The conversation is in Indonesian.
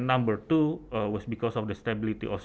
dan yang kedua adalah karena stabilitas